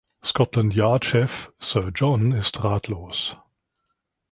Scotland-Yard-Chef Sir John ist ratlos.